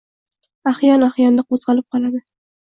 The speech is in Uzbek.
Ahyon-ahyonda qo‘zg‘alib qoladi.